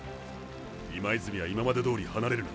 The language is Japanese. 今泉は今までどおり離れるな。